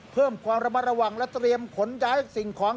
เพิ่มความระมัดระวังและเตรียมขนย้ายสิ่งของ